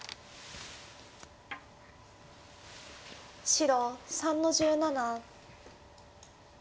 白３の十七。